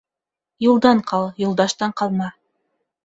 Юлдан ҡал, юлдаштан ҡалма.